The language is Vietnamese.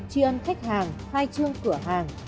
chuyên khách hàng khai trương cửa hàng